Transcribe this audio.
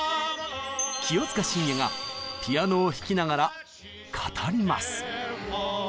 清塚信也がピアノを弾きながら語ります！